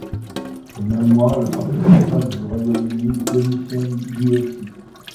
Le même mois, le Parti pirate du Royaume-Uni démissionne lui aussi.